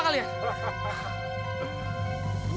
kau tidak sempat